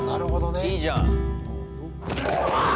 いいじゃん。